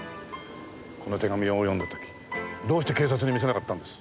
この手紙を読んだ時どうして警察に見せなかったんです？